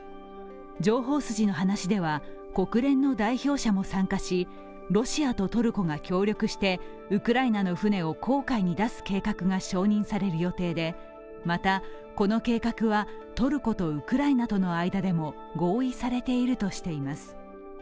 情報筋の話では国連の代表者も参加しロシアとトルコが協力してウクライナの船を公海に出す計画が承認される予定でまた、この計画はトルコとウクライナとの間でも合意されているとしています。